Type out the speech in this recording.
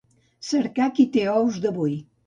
Cercar qui té ous d'avui.